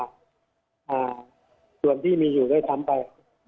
อ่าส่วนที่มีอยู่ด้วยซ้ำไป